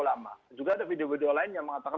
lama juga ada video video lain yang mengatakan